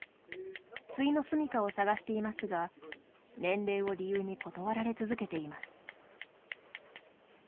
ついの住みかを探していますが年齢を理由に断られ続けています。